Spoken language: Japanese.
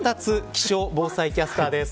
気象防災キャスターです。